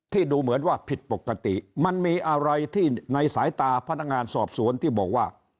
ดูเหมือนว่าผิดปกติมันมีอะไรที่ในสายตาพนักงานสอบสวนที่บอกว่า